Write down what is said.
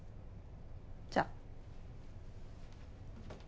じゃあ。